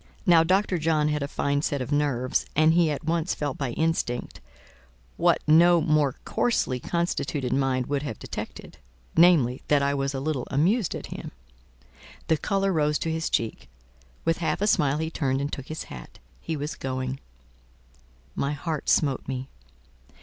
Now Dr. John had a fine set of nerves, and he at once felt by instinct, what no more coarsely constituted mind would have detected; namely, that I was a little amused at him. The colour rose to his cheek; with half a smile he turned and took his hat—he was going. My heart smote me.